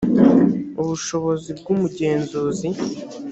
ubushobozi bw’umugenzuzi